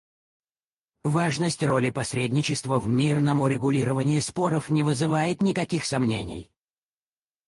Важность роли посредничества в мирном урегулировании споров не вызывает никаких сомнений.